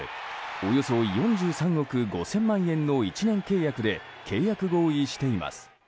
およそ４３億５０００万円の１年契約で契約合意しています。